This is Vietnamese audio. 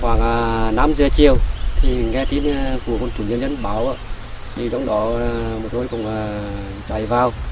khoảng năm giờ chiều thì nghe tin của một chủ nhân dân báo thì trong đó một người cũng chạy vào